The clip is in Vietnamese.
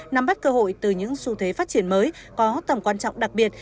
nắm bắt cơ hội từ những xu thế phát triển mới có tầm quan trọng đặc biệt